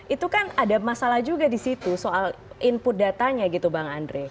itu kan ada masalah juga di situ soal input datanya gitu bang andre